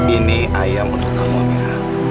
ini ayam untuk kamu amira